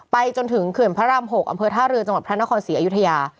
จนถึงเขื่อนพระราม๖อำเภอท่าเรือจังหวัดพระนครศรีอยุธยา